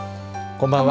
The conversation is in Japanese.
こんばんは。